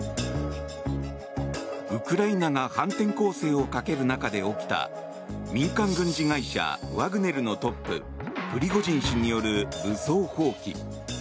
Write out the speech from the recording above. ウクライナが反転攻勢をかける中で起きた民間軍事会社ワグネルのトッププリゴジン氏による武装蜂起。